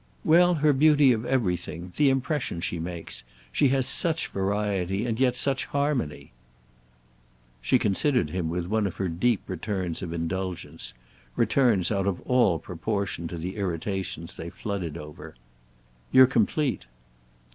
"Well, her beauty of everything. The impression she makes. She has such variety and yet such harmony." She considered him with one of her deep returns of indulgence—returns out of all proportion to the irritations they flooded over. "You're complete."